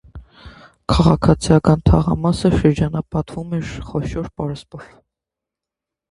Քաղաքացիական թաղամասը շրջապատվում էր խոշոր պարսպով։